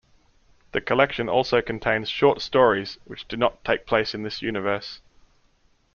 The collection also contains short stories which do not take place in this universe.